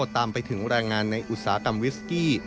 ตามไปถึงแรงงานในอุตสาหกรรมวิสกี้